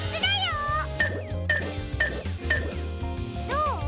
どう？